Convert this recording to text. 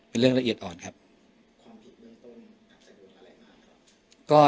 เป็นเรื่องละเอียดอ่อนครับความผิดเบื้องต้นนำสำนวนอะไรบ้างครับ